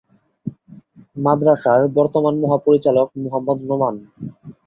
মাদ্রাসার বর্তমান মহাপরিচালক মুহাম্মদ নোমান।